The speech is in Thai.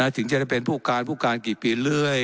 ถึงจะได้เป็นผู้การผู้การกี่ปีเรื่อย